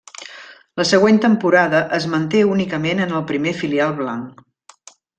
La següent temporada, es manté únicament en el primer filial blanc.